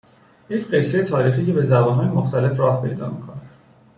یک قصه تاریخی که به زبانهای مختلف راه پیدا میکند